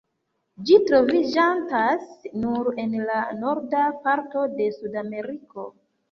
Ĝi troviĝantas nur en la norda parto de Sudameriko.